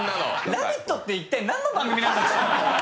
「ラヴィット！」って一体何の番組なの？